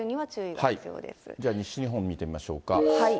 西日本見てみましょうか。